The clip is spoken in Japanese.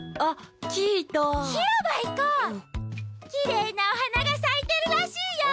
きれいなおはながさいてるらしいよ！